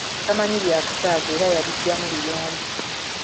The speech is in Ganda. Tamanyi byakusaaga era yabiggyamu luyombo.